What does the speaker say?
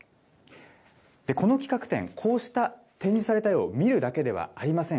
この企画展、こうした展示された絵を見るだけではありません。